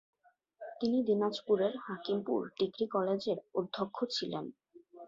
তিনি দিনাজপুরের হাকিমপুর ডিগ্রি কলেজের অধ্যক্ষ ছিলেন।